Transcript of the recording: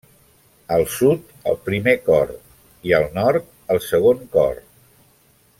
Al sud, el primer cor i al nord el segon cor.